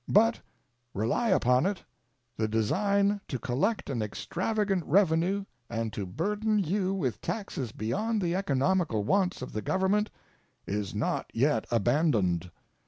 But, rely upon it, the design to collect an extravagant revenue and to burden you with taxes beyond the economical wants of the Government is not yet abandoned.